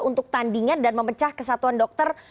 untuk tandingan dan memecah kesatuan dokter